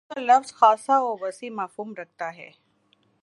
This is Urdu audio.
فطرت کا لفظ خاصہ وسیع مفہوم رکھتا ہے